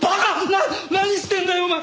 な何してんだよお前！